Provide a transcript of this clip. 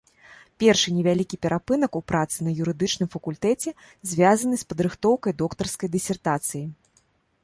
Першы невялікі перапынак у працы на юрыдычным факультэце звязаны з падрыхтоўкай доктарскай дысертацыі.